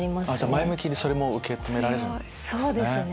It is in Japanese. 前向きに受け止められるんですね。